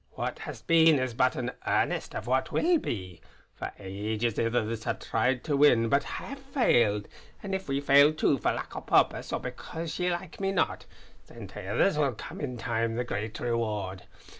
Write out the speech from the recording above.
What hae been is but an earnest of what will be. For ages ithers have tried to win but hae failed; and if we fail too for lack o' purpose or because ye like me not, then to ithers will come in time the great reward.